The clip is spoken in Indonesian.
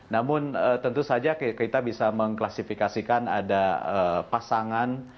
namun tentu saja kita bisa mengklasifikasikan ada pasangan